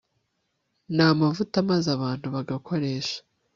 namavuta maze abantu bagakoresha